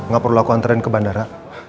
gak perlu aku antren ke bandara